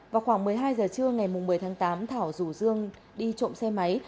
vào khoảng một mươi hai giờ trưa ngày một mươi tháng tám thảo rủ dương đi trộm xe máy